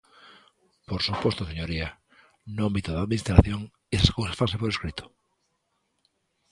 Por suposto, señoría, no ámbito da Administración esas cousas fanse por escrito.